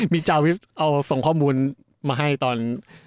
มีเจ้าส่งข้อมูลมาให้ตอน